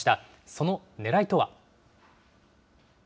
そのねらいとは。